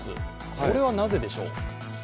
これはなぜでしょう。